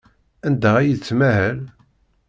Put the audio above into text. Anda ay yettmahal?